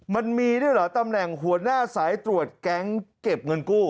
มันมีด้วยเหรอตำแหน่งหัวหน้าสายตรวจแก๊งเก็บเงินกู้